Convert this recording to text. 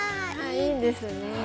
いいですね。